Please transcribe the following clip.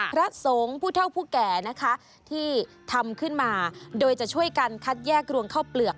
พระสงฆ์ผู้เท่าผู้แก่นะคะที่ทำขึ้นมาโดยจะช่วยกันคัดแยกรวงข้าวเปลือก